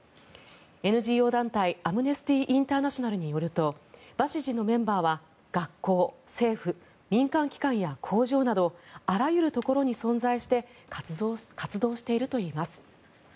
ＮＧＯ団体、アムネスティ・インターナショナルによるとバシジのメンバーは学校、政府、民間機関や工場などあらゆるところに存在して活動しているといいます。